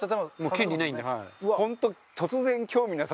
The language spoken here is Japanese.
権利ないんで。